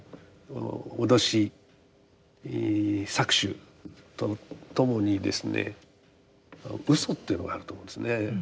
脅し搾取とともにですね嘘というのがあると思うんですね。